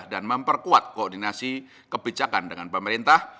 dan memperkuat koordinasi kebijakan dengan pemerintah